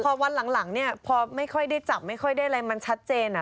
พอวันหลังเนี่ยพอไม่ค่อยได้จับไม่ค่อยได้อะไรมันชัดเจน